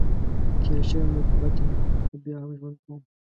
تېر شوی محبت یمه، خو بیا هم ژوند کؤم.